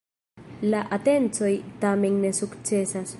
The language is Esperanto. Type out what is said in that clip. La atencoj tamen ne sukcesas.